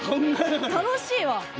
楽しいわ。